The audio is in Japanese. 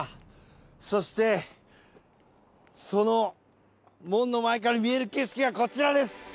そしてその門の前から見える景色がこちらです！